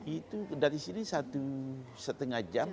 itu dari sini satu setengah jam